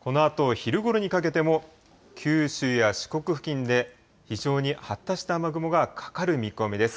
このあと昼ごろにかけても、九州や四国付近で非常に発達した雨雲がかかる見込みです。